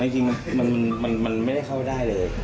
จริงมันไม่ได้เข้าได้เลย